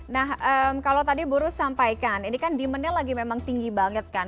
nah kalau tadi burus sampaikan ini kan demand nya lagi memang tinggi banget kan